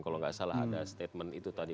kalau nggak salah ada statement itu tadi